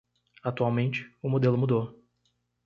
Atualmente, o modelo mudou.